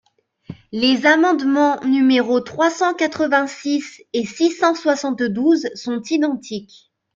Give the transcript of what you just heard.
Les amendements numéros trois cent quatre-vingt-six et six cent soixante-douze sont identiques.